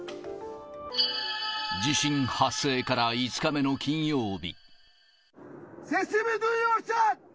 地震発生から５日目の金曜日。